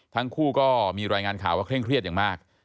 ทั้งคู่ก็มีรายงานข่าวว่าเคร่งเครียดอย่างมาก